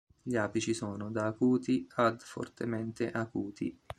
Gli apici sono da acuti ad fortemente acuti.